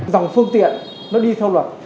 dòng phương tiện nó đi theo luật